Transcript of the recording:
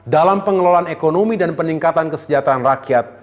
dalam pengelolaan ekonomi dan peningkatan kesejahteraan rakyat